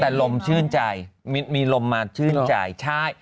แต่ลมชื่นใจมีลมมาชื่นใจใช่